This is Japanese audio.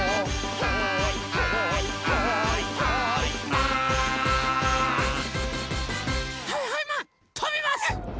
はいはいマンとびます！